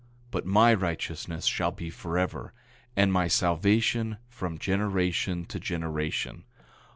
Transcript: But my righteousness shall be forever, and my salvation from generation to generation.